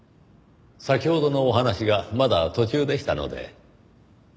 先ほどのお話がまだ途中でしたので。